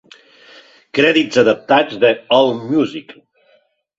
Crèdits adaptats d'Allmusic.